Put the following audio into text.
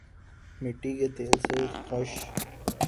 مٹی کے تیل سے خش